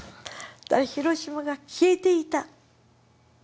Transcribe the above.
広島が消えていた。